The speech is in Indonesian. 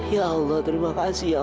ya allah terima kasih ya